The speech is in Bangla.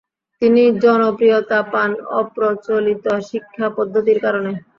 তিনি জনপ্রিয়তা পান অপ্রচলিত শিক্ষা পদ্ধতির কারণে।